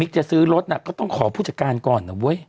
มีกจะซื้อรถก็ต้องขอผู้จัดการก่อน